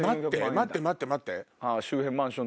待って待って待って。